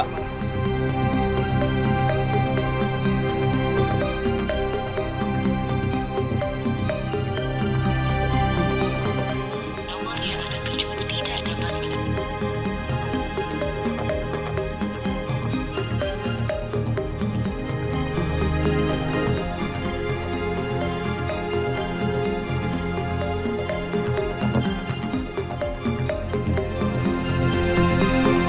lupa untuk tuduh